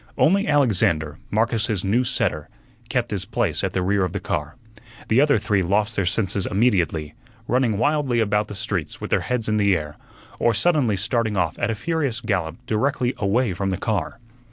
Only Alexander, Marcus's new setter, kept his place at the rear of the car. The other three lost their senses immediately, running wildly about the streets with their heads in the air, or suddenly starting off at a furious gallop directly away from the car.